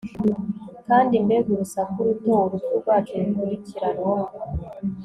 kandi mbega urusaku ruto urupfu rwacu rukurikiranwa